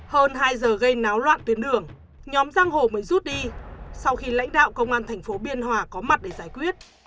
hơn hai giờ gây náo loạn tuyến đường nhóm giang hồ mới rút đi sau khi lãnh đạo công an thành phố biên hòa có mặt để giải quyết